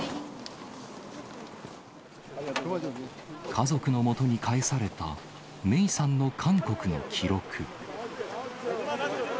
家族の元に返された芽生さんの韓国の記録。